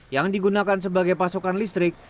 yang digunakan sebagai pasokan listrik